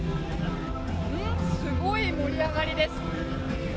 すごい盛り上がりです。